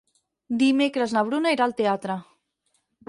Dimecres na Bruna irà al teatre.